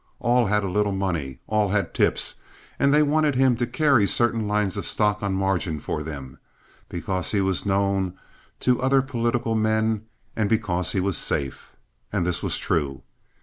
All had a little money. All had tips, and they wanted him to carry certain lines of stock on margin for them, because he was known to other political men, and because he was safe. And this was true.